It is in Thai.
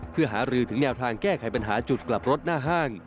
เพื่อหารือถึงแนวทางแก้ไขปัญหาจุดกลับรถหน้าห้าง